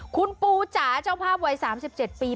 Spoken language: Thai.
คุณปูจ๋าเจ้าภาพวัย๓๗ปี